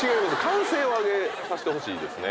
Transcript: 歓声を上げさせてほしいですね。